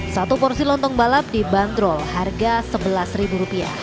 satu porsi lontong balap di bandrol harga rp sebelas